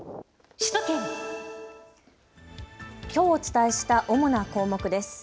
きょうお伝えした主な項目です。